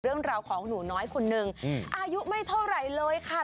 เรื่องราวของหนูน้อยคนนึงอายุไม่เท่าไหร่เลยค่ะ